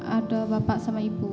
ada bapak sama ibu